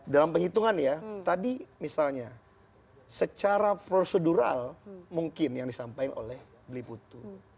dalam penghitungan ya tadi misalnya secara prosedural mungkin yang disampaikan oleh beli putu